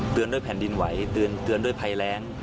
ต้องบอกว่าสู้เดอะไอ